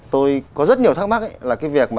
tôi có rất nhiều thắc mắc